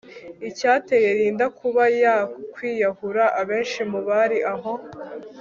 icyateye Linda kuba ya kwiyahura abenshi mu bari aho